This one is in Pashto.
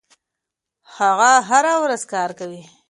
هغه هره ورځ کار کوي.